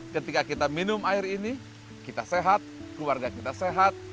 ketika kita minum air ini kita sehat keluarga kita sehat